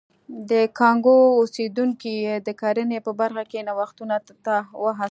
د کانګو اوسېدونکي یې د کرنې په برخه کې نوښتونو ته وهڅول.